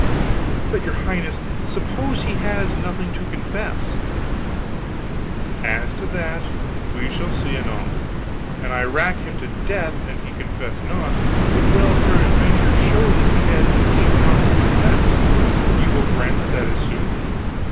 "But, your Highness, suppose he has nothing to confess?" "As to that, we shall see, anon. An I rack him to death and he confess not, it will peradventure show that he had indeed naught to confess ye will grant that that is sooth?